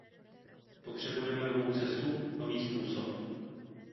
Potřebujeme novou cestu, nový způsob.